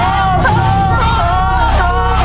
ถูกกับไม่ถูก